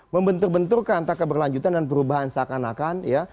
membentur benturkan antara keberlanjutan dan perubahan seakan akan ya